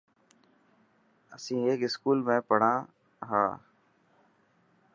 اسين هڪ اسڪول ۾ پڙهان ها.